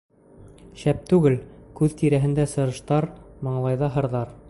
Шәп түгел - күҙ тирәһендә сырыштар, маңлайҙа һырҙар.